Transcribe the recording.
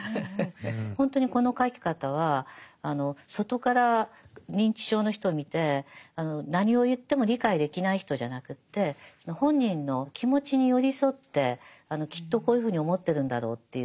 ほんとにこの書き方は外から認知症の人を見て何を言っても理解できない人じゃなくって本人の気持ちに寄り添ってきっとこういうふうに思ってるんだろうっていう